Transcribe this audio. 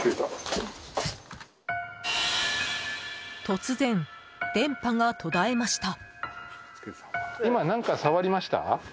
突然、電波が途絶えました。